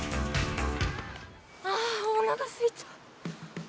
ああ、おなかすいた。